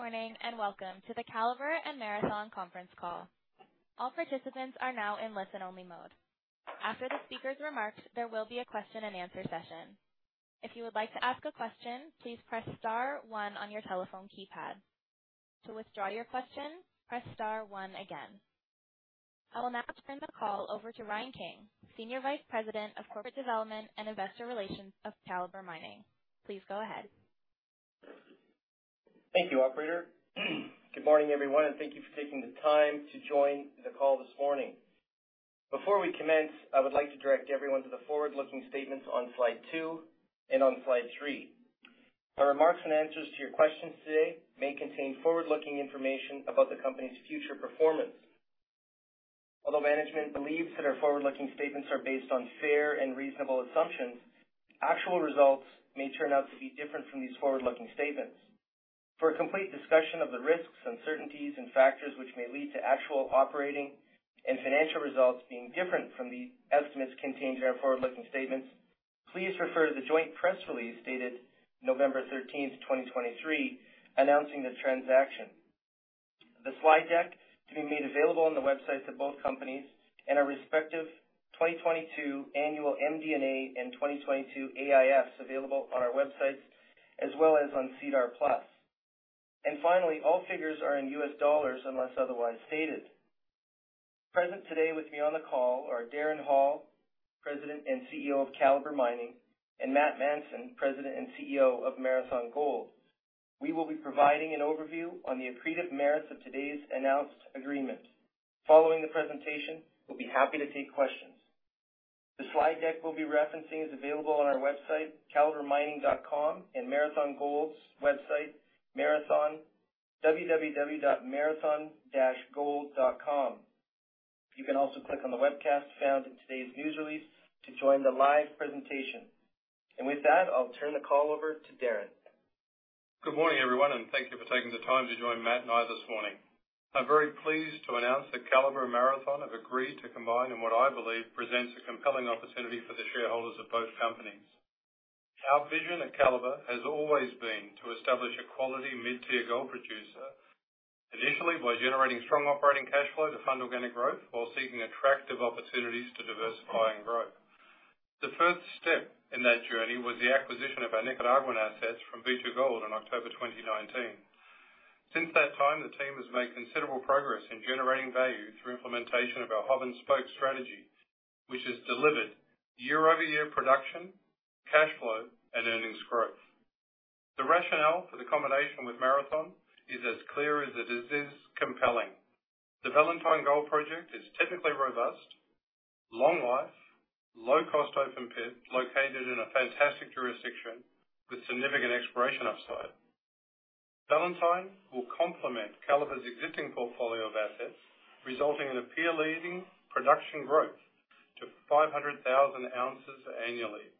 Good morning, and welcome to the Calibre and Marathon conference call. All participants are now in listen-only mode. After the speakers' remarks, there will be a Q&A session. If you would like to ask a question, please press star one on your telephone keypad. To withdraw your question, press star one again. I will now turn the call over to Ryan King, Senior Vice President of Corporate Development and Investor Relations of Calibre Mining. Please go ahead. Thank you, operator. Good morning, everyone, and thank you for taking the time to join the call this morning. Before we commence, I would like to direct everyone to the forward-looking statements on slide 2 and on slide 3. Our remarks and answers to your questions today may contain forward-looking information about the company's future performance. Although management believes that our forward-looking statements are based on fair and reasonable assumptions, actual results may turn out to be different from these forward-looking statements. For a complete discussion of the risks, uncertainties, and factors which may lead to actual operating and financial results being different from the estimates contained in our forward-looking statements, please refer to the joint press release dated November 13, 2023, announcing this transaction. The slide deck to be made available on the websites of both companies and our respective 2022 annual MD&A and 2022 AIFs available on our websites, as on SEDAR+. Finally, all figures are in U.S. dollars unless otherwise stated. Present today with me on the call are Darren Hall, President and CEO of Calibre Mining, and Matt Manson, President and CEO of Marathon Gold. We will be providing an overview on the accretive merits of today's announced agreement. Following the presentation, we'll be happy to take questions. The slide deck we'll be referencing is available on our website, calibremining.com, and Marathon Gold's website, www.marathongold.com. You can also click on the webcast found in today's news release to join the live presentation. With that, I'll turn the call over to Darren. Good morning, everyone, and thank you for taking the time to join Matt and I this morning. I'm very pleased to announce that Calibre and Marathon have agreed to combine in what I believe presents a compelling opportunity for the shareholders of both companies. Our vision at Calibre has always been to establish a quality mid-tier gold producer, initially by generating strong operating cash flow to fund organic growth while seeking attractive opportunities to diversify and grow. The first step in that journey was the acquisition of our Nicaraguan assets from B2Gold in October 2019. Since that time, the team has made considerable progress in generating value through implementation of our hub-and-spoke strategy, which has delivered year-over-year production, cash flow, and earnings growth. The rationale for the combination with Marathon is as clear as it is compelling. The Valentine Gold Project is typically robust, long life, low cost open pit, located in a fantastic jurisdiction with significant exploration upside. Valentine will complement Calibre's existing portfolio of assets, resulting in a peer-leading production growth to 500,000 ounces annually.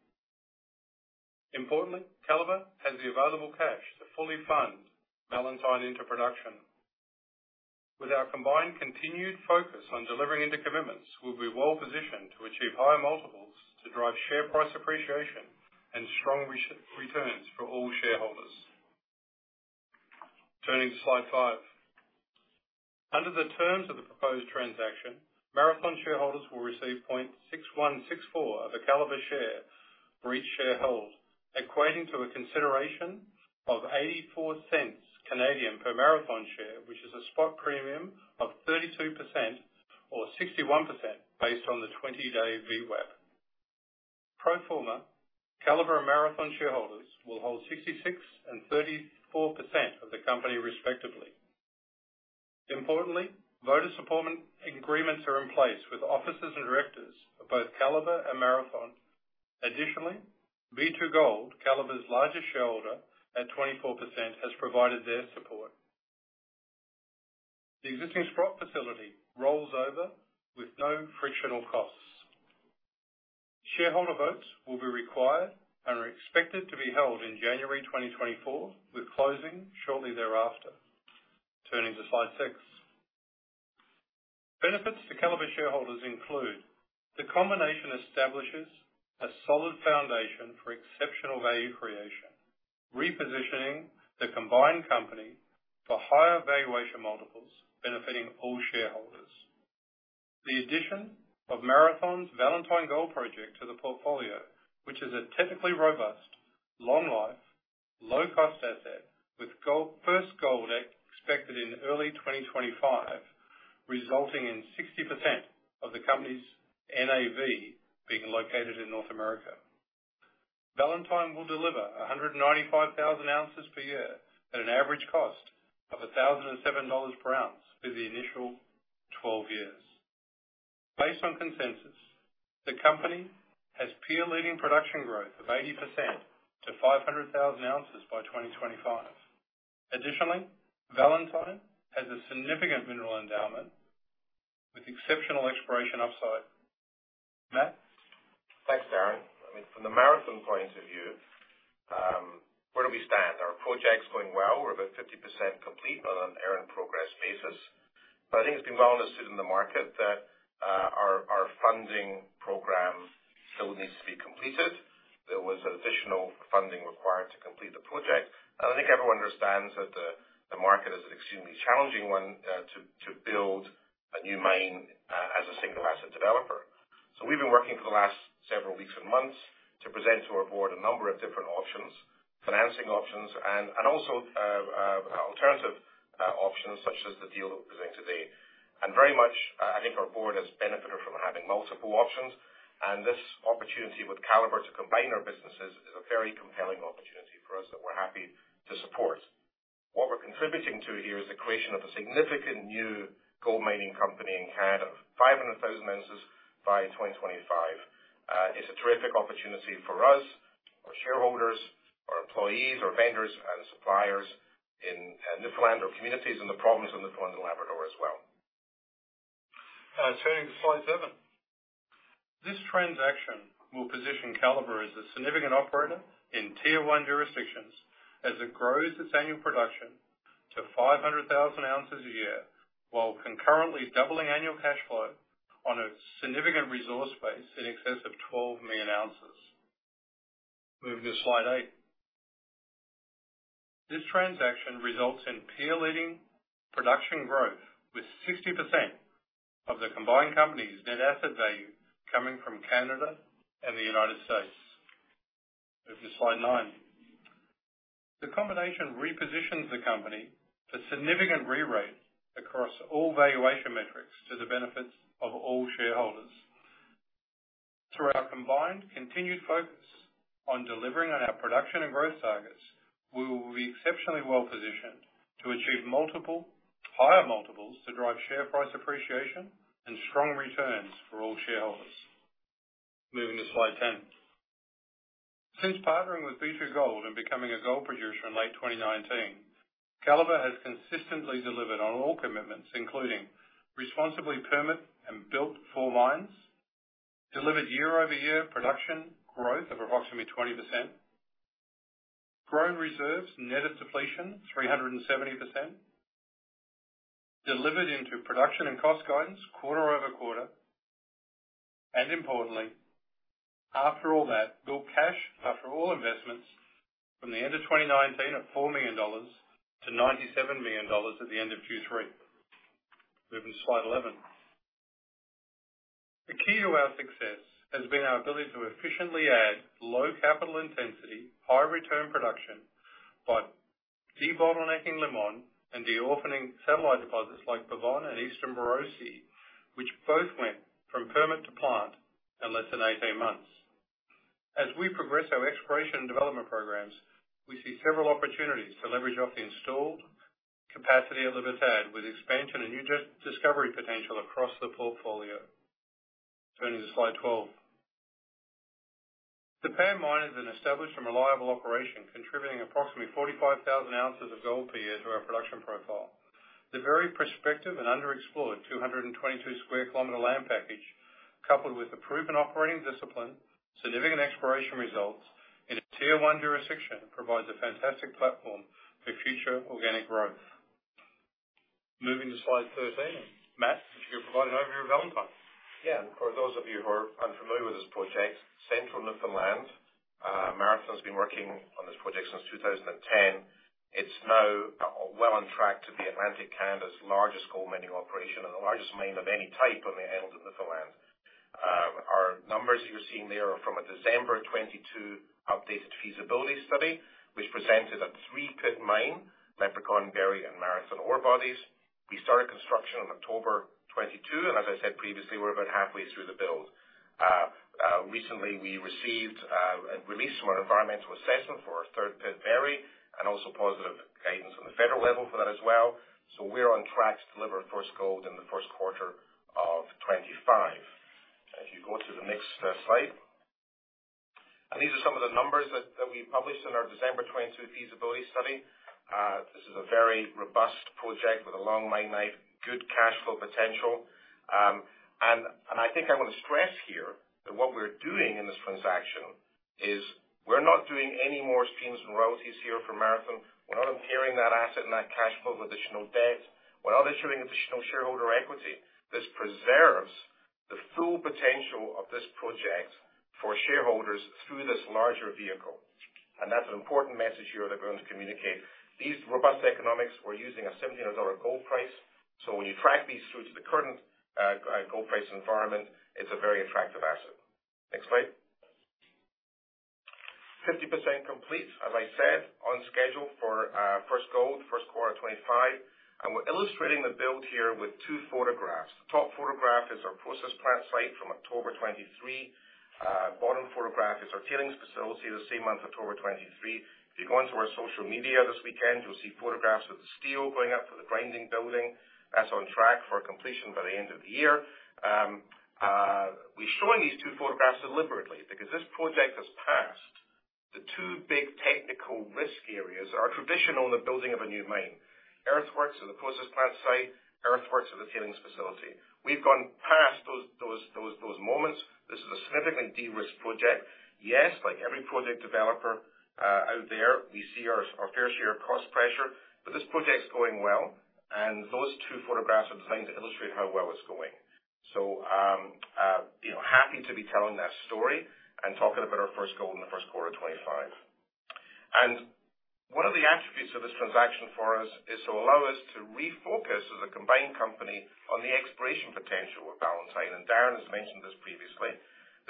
Importantly, Calibre has the available cash to fully fund Valentine into production. With our combined continued focus on delivering into commitments, we'll be well positioned to achieve higher multiples to drive share price appreciation and strong returns for all shareholders. Turning to slide 5. Under the terms of the proposed transaction, Marathon shareholders will receive 0.6164 of a Calibre share for each share held, equating to a consideration of 0.84 per Marathon share, which is a spot premium of 32% or 61% based on the 20-day VWAP. Pro forma, Calibre and Marathon shareholders will hold 66% and 34% of the company, respectively. Importantly, voter support agreements are in place with officers and directors of both Calibre and Marathon. Additionally, B2Gold, Calibre's largest shareholder at 24%, has provided their support. The existing Sprott facility rolls over with no frictional costs. Shareholder votes will be required and are expected to be held in January 2024, with closing shortly thereafter. Turning to slide 6. Benefits to Calibre shareholders include: the combination establishes a solid foundation for exceptional value creation, repositioning the combined company for higher valuation multiples, benefiting all shareholders. The addition of Marathon's Valentine Gold Project to the portfolio, which is a technically robust, long life, low-cost asset, with gold, first gold expected in early 2025, resulting in 60% of the company's NAV being located in North America. Valentine will deliver 195,000 ounces per year at an average cost of $1,007 per ounce through the initial 12 years. Based on consensus, the company has peer-leading production growth of 80% to 500,000 ounces by 2025. Additionally, Valentine has a significant mineral endowment with exceptional exploration upside. Matt? Thanks, Darren. I mean, from the Marathon point of view, where do we stand? Our project's going well. We're about 50% complete on an earn progress basis. But I think it's been well understood in the market that our funding program still needs to be completed. There was additional funding required to complete the project, and I think everyone understands that the market is an extremely challenging one to build a new mine as a single asset developer. So we've been working for the last several weeks and months to present to our board a number of different options, financing options, and also alternative options, such as the deal we're presenting today. Very much, I think our board has benefited from having multiple options, and this opportunity with Calibre to combine our businesses is a very compelling opportunity for us that we're happy to support. What we're contributing to here is the creation of a significant new gold mining company in Canada, 500,000 ounces by 2025. It's a terrific opportunity for us, our shareholders, our employees, our vendors, and suppliers in Newfoundland communities, and the province of Newfoundland and Labrador. Turning to slide 7. This transaction will position Calibre as a significant operator in Tier 1 jurisdictions as it grows its annual production to 500,000 ounces a year, while concurrently doubling annual cash flow on a significant resource base in excess of 12 million ounces. Moving to slide 8. This transaction results in peer-leading production growth, with 60% of the combined company's net asset value coming from Canada and the United States. Moving to slide 9. The combination repositions the company to significant rerate across all valuation metrics to the benefits of all shareholders. Through our combined continued focus on delivering on our production and growth targets, we will be exceptionally well positioned to achieve multiple, higher multiples, to drive share price appreciation and strong returns for all shareholders. Moving to slide 10. Since partnering with B2Gold and becoming a gold producer in late 2019, Calibre has consistently delivered on all commitments, including responsibly permit and built four mines, delivered year-over-year production growth of approximately 20%, grown reserves net of depletion, 370%, delivered into production and cost guidance quarter-over-quarter. Importantly, after all that, built cash after all investments from the end of 2019 of $4 million to $97 million at the end of Q3. Moving to slide 11. The key to our success has been our ability to efficiently add low capital intensity, high return production, by debottlenecking Limón and de-orphaning satellite deposits like Pavón and Eastern Borosi, which both went from permit to plant in less than 18 months. As we progress our exploration and development programs, we see several opportunities to leverage off the installed capacity of Libertad with expansion and new discovery potential across the portfolio. Turning to slide 12. The Pan Mine is an established and reliable operation, contributing approximately 45,000 ounces of gold per year to our production profile. The very prospective and underexplored 222 sq km land package, coupled with a proven operating discipline, significant exploration results in a Tier 1 jurisdiction, provides a fantastic platform for future organic growth. Moving to slide 13. Matt, if you could provide an overview of Valentine. And for those of you who are unfamiliar with this project, central Newfoundland, Marathon's been working on this project since 2010. It's now, well on track to be Atlantic Canada's largest gold mining operation and the largest mine of any type when they handle in Newfoundland. Our numbers you're seeing there are from a December 2022 updated feasibility study, which presented a three-pit mine, Leprechaun, Berry, and Marathon ore bodies. We started construction on October 2022, and as I said previously, we're about halfway through the build. Recently, we received and released our environmental assessment for our third pit, Berry, and also positive guidance on the federal level for that. So we're on track to deliver first gold in the Q1 of 2025. If you go to the next slide. These are some of the numbers that we published in our December 2022 feasibility study. This is a very robust project with a long mine life, good cash flow potential. I think I want to stress here that what we're doing in this transaction is we're not doing any more streams and royalties here for Marathon. We're not impairing that asset and that cash flow with additional debt. We're not issuing additional shareholder equity. This preserves the full potential of this project for shareholders through this larger vehicle, and that's an important message here that we're going to communicate. These robust economics, we're using a $1,700 gold price, so when you track these through to the current gold price environment, it's a very attractive asset. Next slide. 50% complete, as I said, on schedule for first gold, Q1 of 2025. And we're illustrating the build here with two photographs. The top photograph is our process plant site from October 2023. Bottom photograph is our tailings facility, the same month, October 2023. If you go onto our social media this weekend, you'll see photographs of the steel going up for the grinding building. That's on track for completion by the end of the year. We're showing these two photographs deliberately because this project has passed the two big technical risk areas that are traditional in the building of a new mine: earthworks at the process plant site, earthworks at the tailings facility. We've gone past those moments. This is a significantly de-risked project. Yes, like every project developer out there, we see our fair share of cost pressure, but this project's going well, and those two photographs are designed to illustrate how well it's going. So, you know, happy to be telling that story and talking about our first goal in the Q1 of 2025. And one of the attributes of this transaction for us is to allow us to refocus as a combined company on the exploration potential of Valentine. And Darren has mentioned this previously,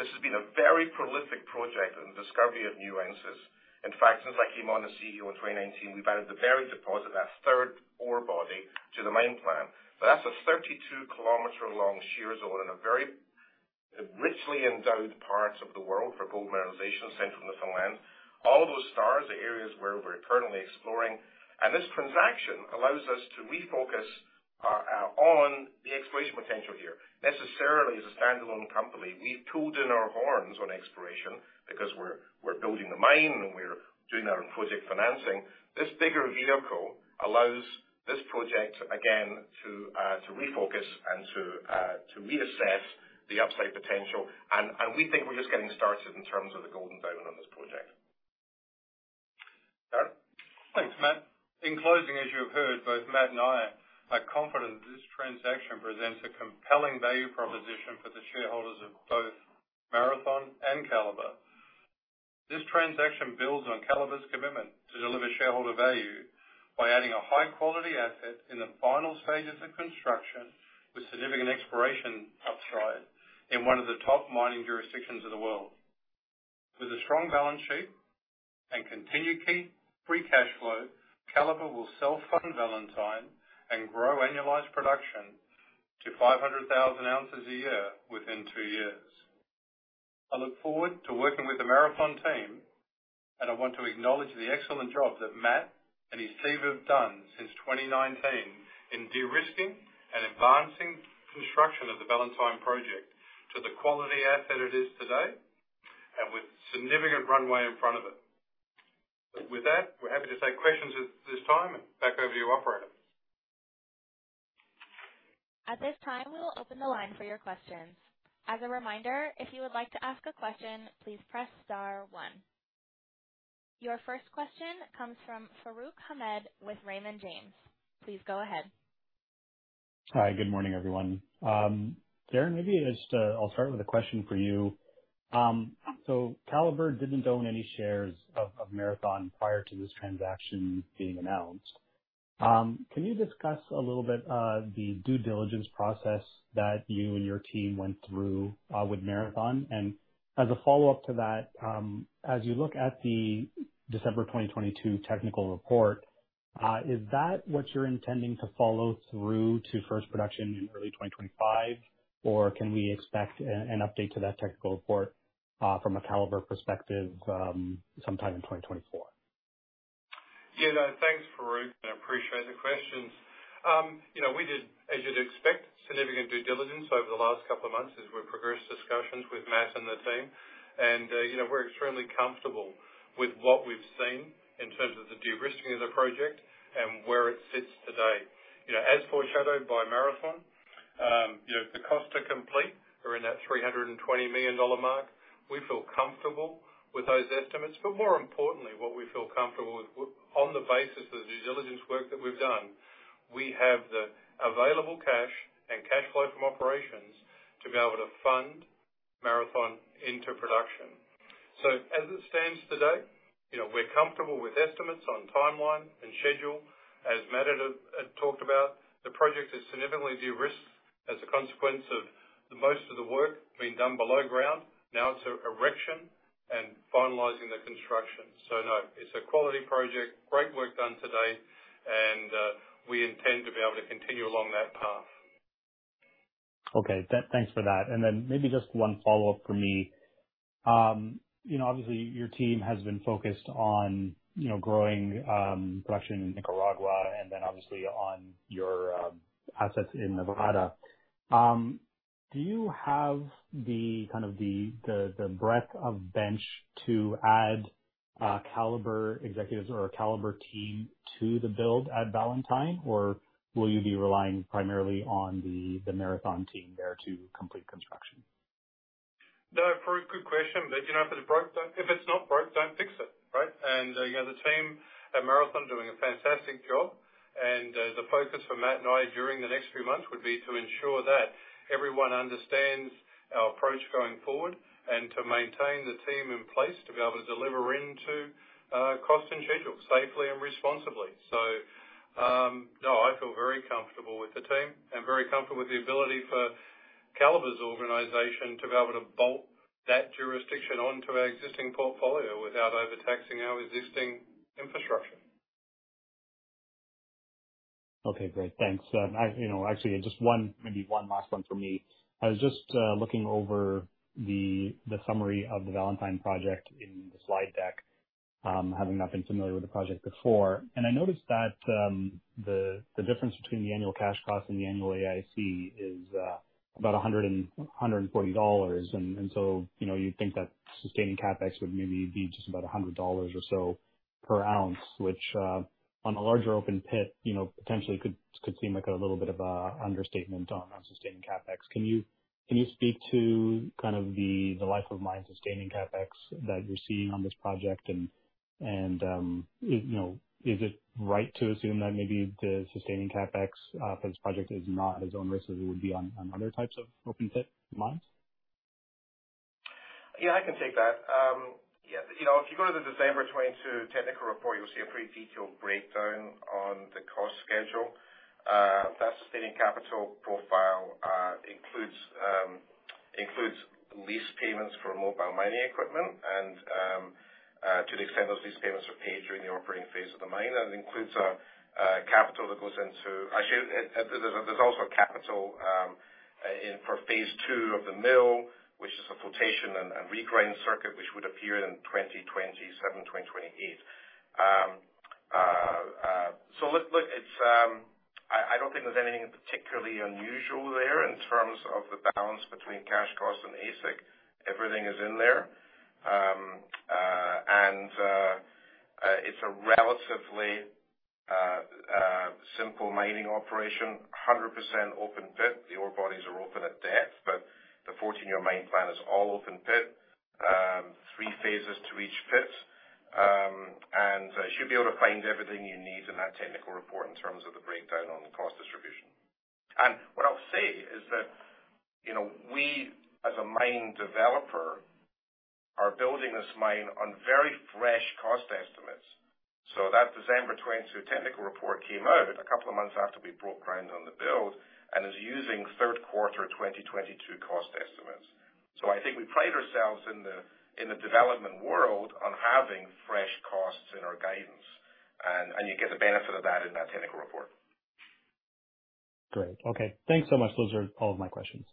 this has been a very prolific project in the discovery of new ounces. In fact, since I came on as CEO in 2019, we've added the Berry deposit, that's third ore body, to the mine plan. So that's a 32-kilometer-long shear zone in a very richly endowed parts of the world for gold mineralization, central Newfoundland. All those stars are areas where we're currently exploring, and this transaction allows us to refocus on the exploration potential here. Necessarily, as a standalone company, we've pulled in our horns on exploration because we're building the mine, and we're doing our project financing. This bigger vehicle allows this project, again, to refocus and to reassess the upside potential. We think we're just getting started in terms of the golden vein on this project. Darren? Thanks, Matt. In closing, as you have heard, both Matt and I are confident that this transaction presents a compelling value proposition for the shareholders of both Marathon and Calibre. This transaction builds on Calibre's commitment to deliver shareholder value by adding a high quality asset in the final stages of construction, with significant exploration upside in one of the top mining jurisdictions of the world. With a strong balance sheet and continued key free cash flow, Calibre will self-fund Valentine and grow annualized production to 500,000 ounces a year within two years. I look forward to working with the Marathon team, and I want to acknowledge the excellent job that Matt and his team have done since 2019 in de-risking and advancing construction of the Valentine project to the quality asset it is today, and with significant runway in front of it. With that, we're happy to take questions at this time, and back over to you, operator. At this time, we will open the line for your questions. As a reminder, if you would like to ask a question, please press star one. Your first question comes from Farooq Hamed, with Raymond James. Please go ahead. Hi, good morning, everyone. Darren, maybe just, I'll start with a question for you. So Calibre didn't own any shares of, of Marathon prior to this transaction being announced. Can you discuss a little bit, the due diligence process that you and your team went through, with Marathon? And as a follow-up to that, as you look at the December 2022 technical report, is that what you're intending to follow through to first production in early 2025? Or can we expect an update to that technical report, from a Calibre perspective, sometime in 2024? No. Thanks, Farooq, I appreciate the questions. You know, we did, as you'd expect, significant due diligence over the last couple of months as we progressed discussions with Matt and the team. And you know, we're extremely comfortable with what we've seen in terms of the de-risking of the project and where it sits today. You know, as foreshadowed by Marathon, you know, the cost to complete are in that $320 million mark. We feel comfortable with those estimates, but more importantly, what we feel comfortable with, on the basis of the due diligence work that we've done, we have the available cash and cash flow from operations to be able to fund Marathon into production. So as it stands today, you know, we're comfortable with estimates on timeline and schedule. As Matt had talked about, the project is significantly de-risked as a consequence of the most of the work being done below ground. Now it's erection and finalizing the construction. So no, it's a quality project, great work done to date, and we intend to be able to continue along that path. Okay, that. Thanks for that. And then maybe just one follow-up from me. You know, obviously, your team has been focused on, you know, growing production in Nicaragua, and then obviously on your assets in Nevada. Do you have the breadth of bench to add Calibre executives or a Calibre team to the build at Valentine? Or will you be relying primarily on the Marathon team there to complete construction? No, Farooq, good question. But, you know, if it's broke, don't. If it's not broke, don't fix it, right? And, you know, the team at Marathon are doing a fantastic job, and, the focus for Matt and I during the next few months would be to ensure that everyone understands our approach going forward and to maintain the team in place to be able to deliver into, cost and schedule safely and responsibly. So, no, I feel very comfortable with the team and very comfortable with the ability for Calibre's organization to be able to bolt that jurisdiction onto our existing portfolio without overtaxing our existing infrastructure. Okay, great. Thanks. You know, actually, just one, maybe one last one from me. I was just looking over the summary of the Valentine project in the slide deck, having not been familiar with the project before, and I noticed that the difference between the annual cash costs and the annual AISC is about $140. And so, you know, you'd think that sustaining CapEx would maybe be just about $100 or so per ounce, which on a larger open pit, you know, potentially could seem like a little bit of an understatement on sustaining CapEx. Can you speak to the life of mine sustaining CapEx that you're seeing on this project and. You know, is it right to assume that maybe the sustaining CapEx for this project is not as onerous as it would be on other types of open pit mines? I can take that. You know, if you go to the December 2022 technical report, you'll see a pretty detailed breakdown on the cost schedule. That sustaining capital profile includes lease payments for mobile mining equipment and to the extent those lease payments are paid during the operating phase of the mine. And includes capital that goes into, actually, there's also a capital in for phase two of the mill, which is a flotation and regrind circuit, which would appear in 2027, 2028. So look, it's, I don't think there's anything particularly unusual there in terms of the balance between cash costs and AISC. Everything is in there. And it's a relatively simple mining operation, 100% open pit. The ore bodies are open at depth, but the 14-year mine plan is all open pit. Three phases to each pit. And you should be able to find everything you need in that technical report in terms of the breakdown on the cost distribution. And what I'll say is that, you know, we, as a mine developer, are building this mine on very fresh cost estimates. So that December 2022 technical report came out a couple of months after we broke ground on the build and is using Q3 2022 cost estimates. So I think we pride ourselves in the, in the development world on having fresh costs in our guidance, and, and you get the benefit of that in that technical report. Great. Okay. Thanks so much. Those are all of my questions.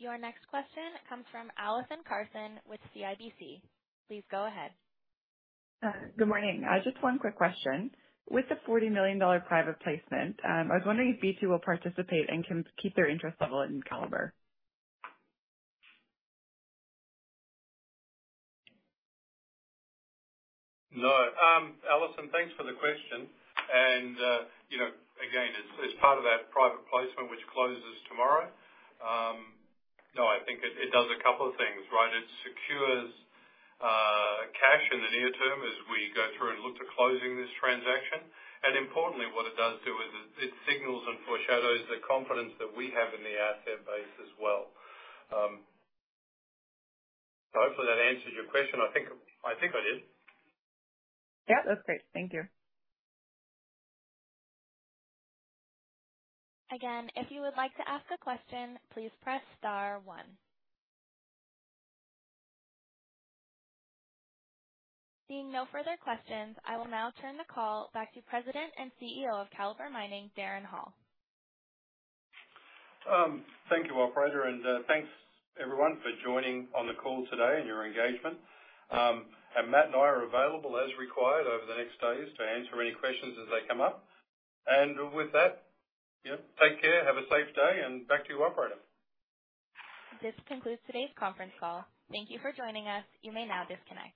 Your next question comes from Allison Carson with CIBC. Please go ahead. Good morning. Just one quick question. With the $40 million private placement, I was wondering if B2 will participate and can keep their interest level in Calibre? No. Allison, thanks for the question. And, you know, again, it's part of that private placement which closes tomorrow. No, I think it does a couple of things, right? It secures cash in the near term as we go through and look to closing this transaction. And importantly, what it does do is it signals and foreshadows the confidence that we have in the asset base. Hopefully that answers your question. I think I did. That's great. Thank you. Again, if you would like to ask a question, please press star one. Seeing no further questions, I will now turn the call back to President and CEO of Calibre Mining, Darren Hall. Thank you, operator, and thanks, everyone, for joining on the call today and your engagement. And Matt and I are available as required over the next days to answer any questions as they come up. And with that, you know, take care, have a safe day, and back to you, operator. This concludes today's conference call. Thank you for joining us. You may now disconnect.